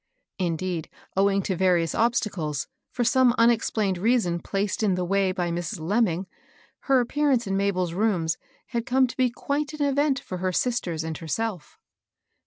Indeed, owing to various obstacles, for some unexplained reason placed in the way by LITTXE IJLLY. 81 Mrs. Lemming, her appearance in Mabel's rooms bad come to be quite an event for her sisters and herself.